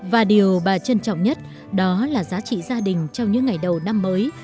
và điều bà trân trọng nhất đó là giá trị gia đình trong những ngày đầu năm mới